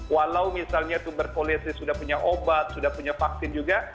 walau misalnya tuberkulosi sudah punya obat sudah punya vaksin juga